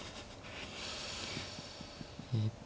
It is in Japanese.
えっと。